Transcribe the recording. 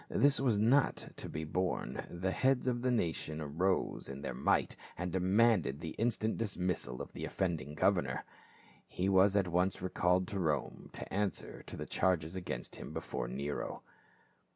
This was not to be borne, the heads of the nation arose in their might and demanded the instant dismissal of the offending governor. He was at once recalled to Rome to answer to the charges against him before Nero.